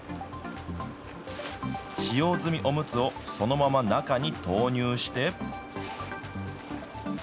使用済みおむつをそのまま中に投入して。